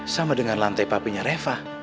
sama dengan lantai papinya reva